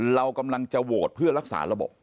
เรากำลังจะโหวตเพื่อรักษาระบบ